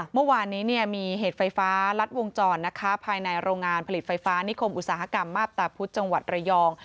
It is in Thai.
เมื่อวานนี้มีเหตุไฟฟ้ารัดวงจรนะคะภายในโรงงานผลิตไฟฟ้านิคมอุตสาหกรรมมาบตาพุธจังหวัดระยอง